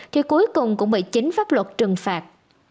thì cuối cùng cũng bị chính pháp luật trừng phạt